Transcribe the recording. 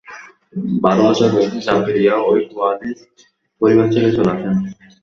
বার বছর বয়সে জাকারিয়া ঐ কোয়ালিস্ট পরিবার ছেড়ে চলে আসেন।